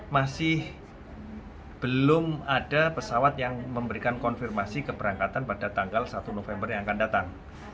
masih belum ada pesawat yang memberikan konfirmasi keberangkatan pada tanggal satu november yang akan datang